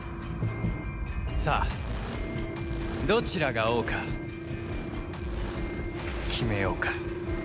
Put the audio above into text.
さあどちらが王か決めようか。